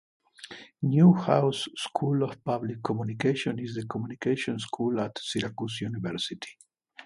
Newhouse School of Public Communications is the communications school at Syracuse University.